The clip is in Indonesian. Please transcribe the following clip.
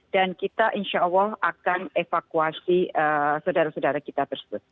dan kita insya allah akan evakuasi saudara saudara kita tersebut